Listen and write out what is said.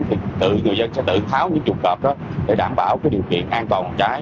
thì người dân sẽ tự tháo những chuồng cọp đó để đảm bảo điều kiện an toàn chữa cháy